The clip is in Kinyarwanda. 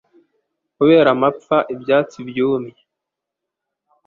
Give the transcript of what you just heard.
Kubera amapfa, ibyatsi byumye.